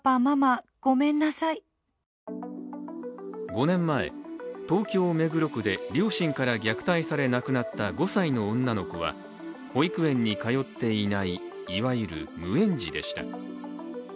５年前、東京・目黒区で両親から虐待され亡くなった５歳の女の子は保育園に通っていない、いわゆる無園児でした。